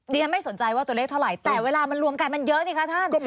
เรียนไม่สนใจว่าตัวเลขเท่าไหร่แต่เวลามันรวมกันมันเยอะสิคะท่าน